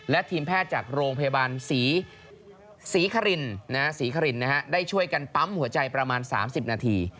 และทีมแพทย์จากโรงพยาบาลศรีครินศรีครินได้ช่วยกันปั๊มหัวใจประมาณ๓๐นาที